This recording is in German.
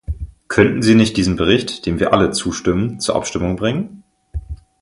Könnten Sie nicht diesen Bericht, dem wir alle zustimmen, zur Abstimmung bringen?